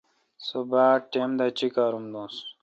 سو باڑ ٹائم دا چیکارم دوس۔